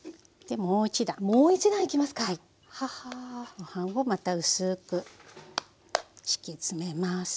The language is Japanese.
ご飯をまた薄く敷き詰めます。